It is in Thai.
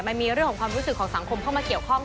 มันมีเรื่องของความรู้สึกของสังคมเข้ามาเกี่ยวข้อง